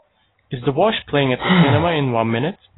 Is The Wash playing at the cinema in one minute